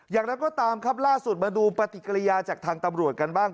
อย่างไรก็ตามครับล่าสุดมาดูปฏิกิริยาจากทางตำรวจกันบ้าง